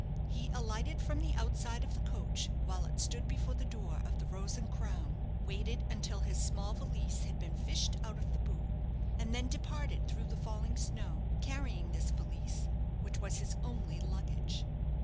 He alighted from the outside of the coach while it stood before the door of the "Rose and Crown," waited until his small valise had been fished out of the boot, and then departed through the falling snow, carrying this valise, which was his only luggage.